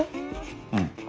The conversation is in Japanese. うん。